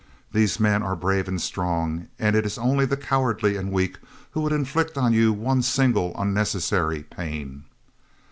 These men are brave and strong, and it is only the cowardly and weak who would inflict on you one single unnecessary pain.